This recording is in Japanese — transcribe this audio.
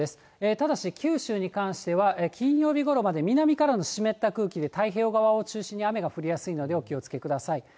ただし九州に関しては、金曜日ごろまで、南からの湿った空気で太平洋側を中心に雨が降りやすいので、お気をつけください。